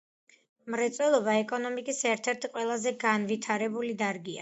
მრეწველობა ეკონომიკის ერთ-ერთი ყველაზე განვითარებული დარგია.